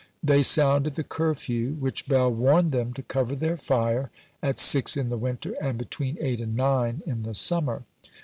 They sounded the curfew, which bell warned them to cover their fire, at six in the winter, and between eight and nine in the summer.